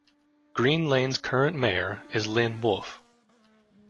Green Lanes current Mayor is Lynn Wolfe.